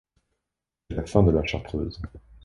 C'est la fin de la chartreuse.